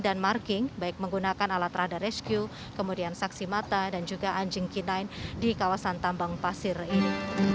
dan marking baik menggunakan alat radar rescue kemudian saksi mata dan juga anjing kinain di kawasan tambang pasir ini